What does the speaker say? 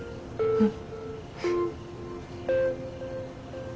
うん。